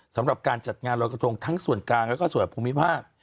สำหรับการจัดงานรอยกระทงทั้งส่วนกลางแล้วก็ส่วนภูมิภาค